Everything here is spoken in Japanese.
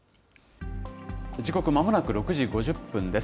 時刻はまもなく６時５０分です。